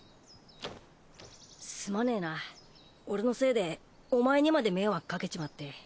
すまねえな俺のせいでお前にまで迷惑かけちまって。